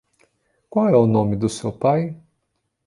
Qual é o nome do seu pai?